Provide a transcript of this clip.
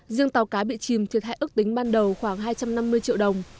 riêng tàu cá bị chìm thiệt hại ước tính ban đầu khoảng hai trăm năm mươi triệu đồng